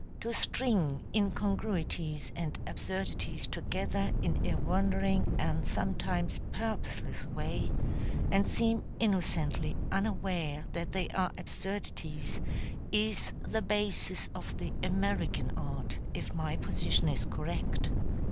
To string incongruities and absurdities together in a wandering and sometimes purposeless way, and seem innocently unaware that they are absurdities, is the basis of the American art, if my position is correct.